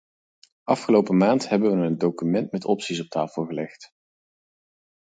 Afgelopen maand hebben we een document met opties op tafel gelegd.